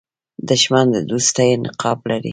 دښمن د دوستۍ نقاب لري